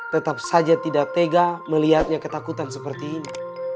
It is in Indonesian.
tetap saja tidak tega melihatnya ketakutan seperti ini